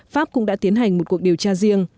pháp cũng đã tiến hành một cuộc điều tra riêng